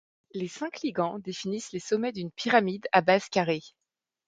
Les cinq ligands définissent les sommets d'une pyramide à base carrée.